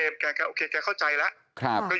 พี่หนุ่ม